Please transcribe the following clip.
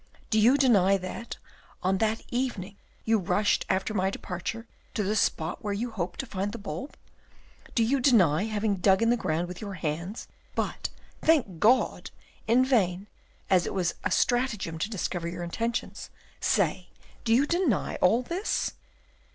Do you deny that, on that evening, you rushed after my departure to the spot where you hoped to find the bulb? Do you deny having dug in the ground with your hands but, thank God! in vain, as it was a stratagem to discover your intentions. Say, do you deny all this?"